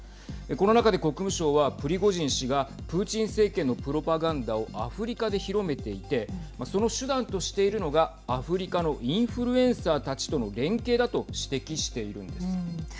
この中で国務省はプリゴジン氏がプーチン政権のプロパガンダをアフリカで広めていてその手段としているのがアフリカのインフルエンサーたちとの連携だと指摘しているんです。